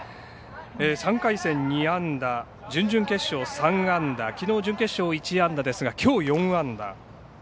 ３回戦、２安打準々決勝、３安打きのう準決勝で１安打ですがきょう４安打。